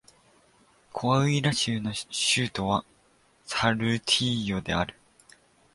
コアウイラ州の州都はサルティーヨである